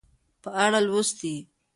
په اړه لوستي